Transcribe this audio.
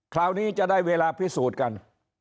คราวนี้จะได้เวลาพิสูจน์กัน